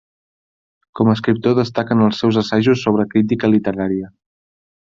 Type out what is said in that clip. Com a escriptor destaquen els seus assajos sobre crítica literària.